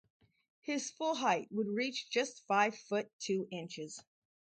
His full height would reach just five-foot, two inches.